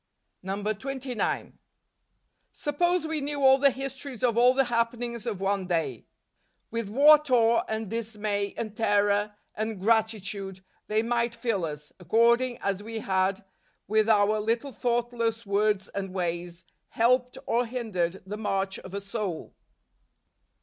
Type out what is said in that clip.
146 DECEMBER. 29. Suppose we knew all the histones of all the happenings of one day ? With what awe, and dismay, and terror, and gratitude, they might fill us, according as we had, with our little thoughtless words and ways, helped or hindered the march of a soul!